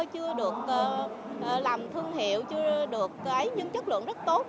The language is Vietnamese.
chưa được làm thương hiệu chưa được nhưng chất lượng rất tốt